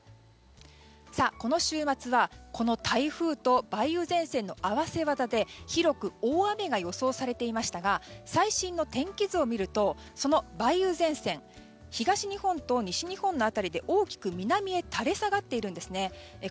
この週末は台風と梅雨前線の合わせ技で広く大雨が予想されていましたが最新の天気図を見るとその梅雨前線東日本と西日本の辺りで大きく南へ垂れ下がっているんです。